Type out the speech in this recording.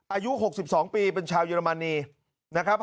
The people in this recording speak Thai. อายุ๖๒ปีเป็นชาวเยอรมนีนะครับ